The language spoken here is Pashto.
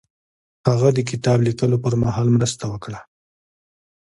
هغه د کتاب لیکلو پر مهال مرسته وکړه.